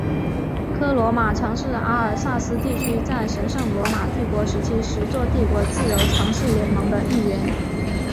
科尔马曾是阿尔萨斯地区在神圣罗马帝国时期十座帝国自由城市联盟的一员。